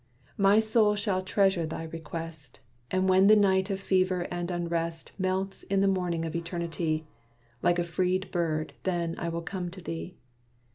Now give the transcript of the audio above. my soul shall treasure thy request, And when the night of fever and unrest Melts in the morning of Eternity, Like a freed bird, then I will come to thee.